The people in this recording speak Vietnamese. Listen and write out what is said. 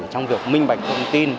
trong việc minh bạch thông tin